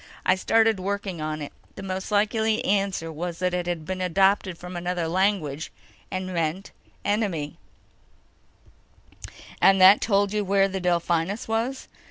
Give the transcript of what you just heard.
I started working on it. The most likely answer was that it had been adopted from another language, and meant enemy." "And that told you where the Delphinus was?"